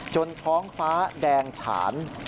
ท้องฟ้าแดงฉาน